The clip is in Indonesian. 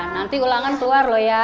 nanti ulangan keluar loh ya